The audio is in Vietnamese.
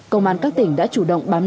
công an các tỉnh đã chủ động bám lấy